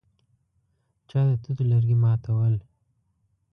چا د توت لرګي ماتول.